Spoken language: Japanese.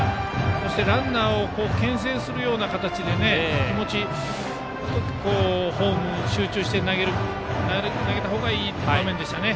そしてランナーをけん制するような形で気持ちホームに集中して投げた方がいい場面でしたね。